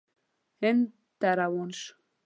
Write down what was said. هند ته روان شو.